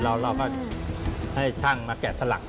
เราก็ให้ช่างมาแกะสลัก